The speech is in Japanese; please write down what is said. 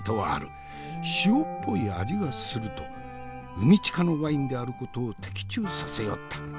「塩っぽい味がする」と海近のワインであることを的中させよった。